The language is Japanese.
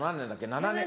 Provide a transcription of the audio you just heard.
７年。